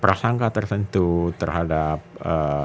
prasangka tertentu terhadap eee